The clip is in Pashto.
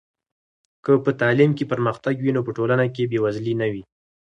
که په تعلیم کې پرمختګ وي نو په ټولنه کې بې وزلي نه وي.